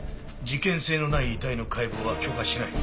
事件性のない遺体の解剖は許可しない。